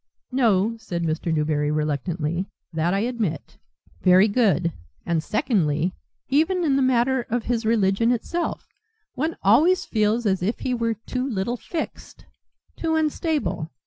"No," said Mr. Newberry reluctantly, "that I admit." "Very good. And, secondly, even in the matter of his religion itself, one always feels as if he were too little fixed, too unstable.